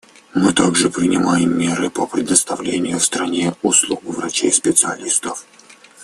Мы также принимаем меры по предоставлению в стране услуг врачей-специалистов.